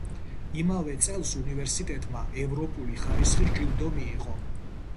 იმავე წელს უნივერსიტეტმა „ევროპული ხარისხის“ ჯილდო მიიღო.